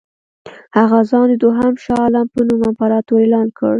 هغه ځان د دوهم شاه عالم په نوم امپراطور اعلان کړ.